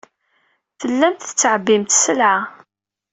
Tellamt tettɛebbimt sselɛa.